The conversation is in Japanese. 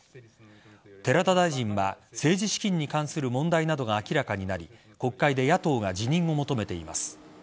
寺田大臣は政治資金に関する問題などが明らかになり国会で野党が辞任を求めています。